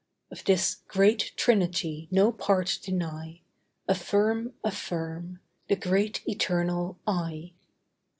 Of this great trinity no part deny. Affirm, affirm, the Great Eternal I.